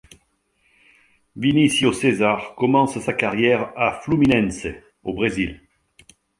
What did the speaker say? Vinicio Cesar commence sa carrière à Fluminense, au Brésil.